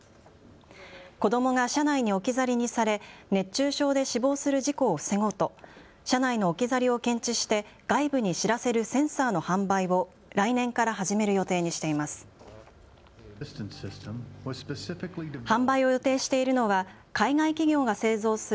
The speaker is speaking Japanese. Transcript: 子どもが車内に置き去りにされ熱中症で死亡する事故を防ごうと車内の置き去りを検知して外部に知らせるセンサーの販売を来年から始める予定にしています。